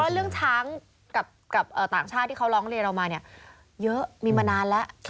เรื่องช้างกับต่างชาติที่เขาร้องเรียนเรามาเนี่ยเยอะมีมานานแล้ว